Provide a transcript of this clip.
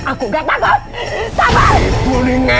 aku gak takut